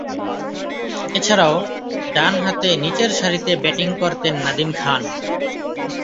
এছাড়াও, ডানহাতে নিচেরসারিতে ব্যাটিং করতেন নাদিম খান।